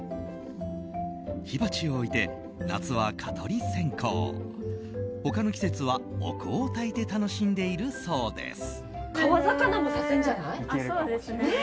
火鉢を置いて、夏は蚊取り線香他の季節は、お香をたいて楽しんでいるそうです。